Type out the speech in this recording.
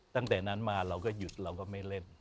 ตั้งแต่นั้นมาเราก็หยุดเราก็ไม่เล่น